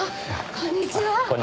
こんにちは。